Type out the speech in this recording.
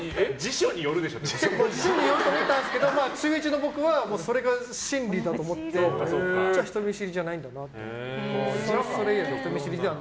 辞書によると思ったんですけど中１の僕はそれが真理だと思ってじゃあ人見知りじゃないんだなって。